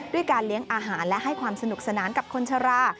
การเลี้ยงอาหารและให้ความสนุกสนานกับคนชรา